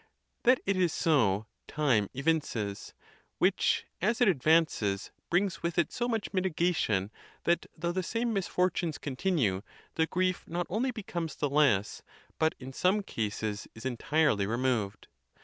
That it is so, time evinces; which, as it advances, brings with it so much mitigation that though the same misfortunes continue, the grief not only becomes the less, but in some cases is entirely removed.